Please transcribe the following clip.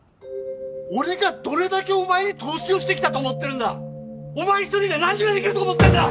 俺がどれだけお前に投資をしてきたと思ってるんだお前一人で何ができると思ってるんだ！